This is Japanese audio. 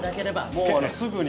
もうすぐに。